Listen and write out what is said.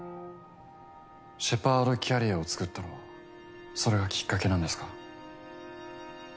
シェパードキャリアを作ったのはそれがきっかけなんですか？